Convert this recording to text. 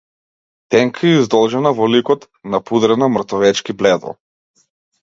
Тенка и издолжена во ликот, напудрена мртовечки бледо.